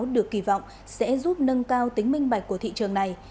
được kỳ vọng sẽ giúp nâng cao tính minh bạch của thị trường này